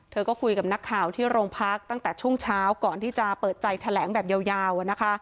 เธอก็คุยกับนักข่าวที่โรงพักตั้งแต่ช่วงเช้าก่อนที่จะเปิดใจแถลงแบบยาวอะนะคะ